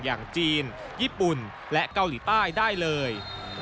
อย่างจีนญี่ปุ่นและเกาหลีใต้ได้เลย